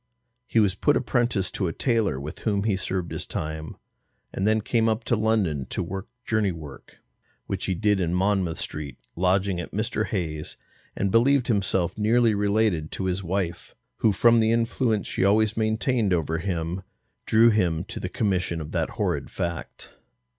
He was put apprentice to a tailor with whom he served his time, and then came up to London to work journey work, which he did in Monmouth Street, lodging at Mr. Hayes's and believed himself nearly related to his wife, who from the influence she always maintained over him, drew him to the commission of that horrid fact.